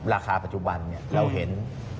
ราคาปัจจุบันเนี่ยเราเห็น